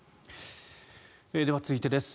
では続いてです。